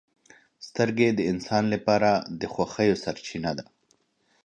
• سترګې د انسان لپاره د خوښیو سرچینه ده.